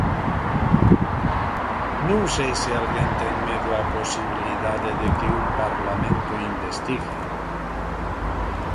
Non sei se alguén ten medo á posibilidade de que un Parlamento investigue.